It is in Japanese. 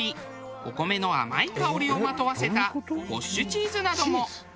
お米の甘い香りをまとわせたウォッシュチーズなども。